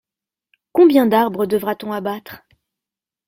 Combien d’arbres devra-t-on abattre ?